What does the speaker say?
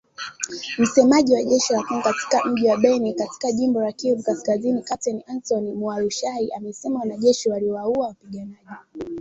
Msemaji wa jeshi la Kongo katika mji wa Beni katika jimbo la Kivu Kaskazini, Kepteni Antony Mualushayi, amesema wanajeshi waliwaua wapiganaji.